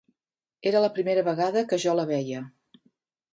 Era la primera vegada que jo la veia